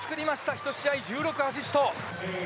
１試合１６アシスト。